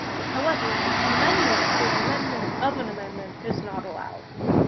However, an amendment to an amendment of an amendment is not allowed.